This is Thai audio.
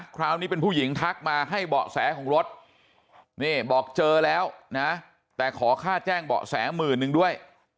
คราวนี้เป็นผู้หญิงทักมาให้เบาะแสของรถนี่บอกเจอแล้วนะแต่ขอค่าแจ้งเบาะแสหมื่นนึงด้วย